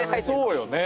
そうよね。